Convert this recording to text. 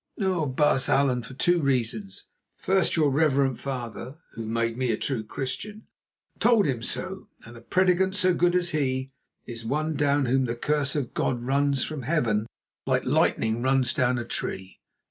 "Oh! Baas Allan, for two reasons. First, your reverend father, who made me true Christian, told him so, and a prédicant so good as he, is one down whom the curse of God runs from Heaven like lightning runs down a tree.